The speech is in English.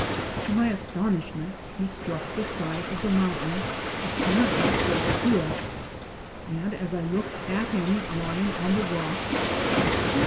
To my astonishment, he struck the side of the mountmn apparently close to us ; and as I looked at him lying on the rock, I could